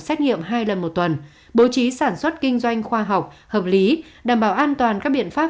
xét nghiệm hai lần một tuần bố trí sản xuất kinh doanh khoa học hợp lý đảm bảo an toàn các biện pháp